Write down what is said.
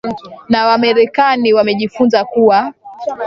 na wamarekani nimejifunza kuwa